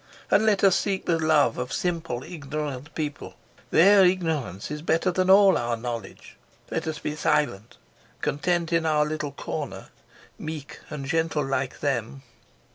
And let us seek the love of simple, ignorant people. Their ignorance is better than all our knowledge. Let us be silent, content in our little corner, meek and gentle like them.